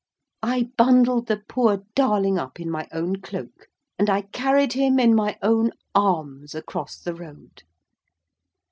I bundled the poor darling up in my own cloak, and I carried him in my own arms across the road.